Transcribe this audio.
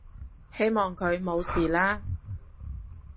希望佢冇事啦